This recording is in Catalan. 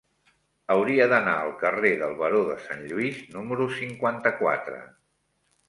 Hauria d'anar al carrer del Baró de Sant Lluís número cinquanta-quatre.